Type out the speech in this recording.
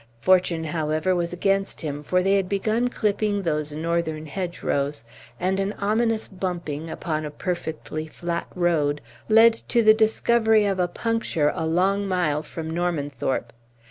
Fortune, however, was against him, for they had begun clipping those northern hedgerows, and an ominous bumping upon a perfectly flat road led to the discovery of a puncture a long mile from Normanthorpe.